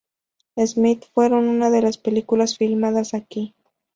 Smith" fueron una de las películas filmadas aquí.